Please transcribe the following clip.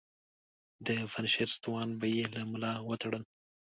د پنجشیر ستوان به یې له ملا وتړل.